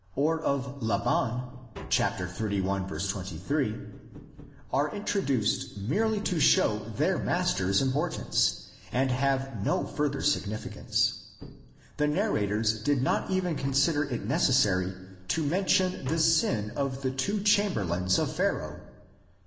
or of Laban (xxxi. 23) are introduced merely to show their masters' importance, and have no further significance. The narrators did not even consider it necessary to mention the sin of the two chamberlains of Pharaoh (xli.